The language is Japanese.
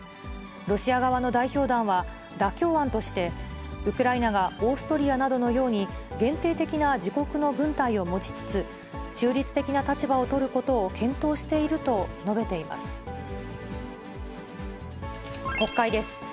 ロシア側の代表団は妥協案として、ウクライナがオーストリアなどのように限定的な自国の軍隊を持ちつつ、中立的な立場を取ることを検討していると述べています。